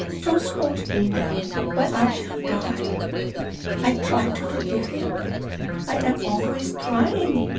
don't scold me now, or I shall die! I try to forgive him I am always trying!